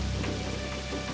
kami turut berduka tentang ayahmu